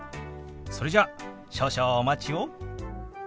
それじゃ少々お待ちを。